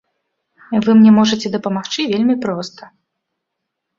Вы мне можаце дапамагчы вельмі проста.